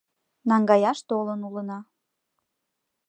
Наҥгаяш толын улына.